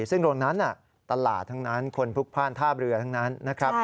ซึ่งตรงนั้นตลาดทั้งนั้นคนพลุกพ่านท่าเรือทั้งนั้นนะครับ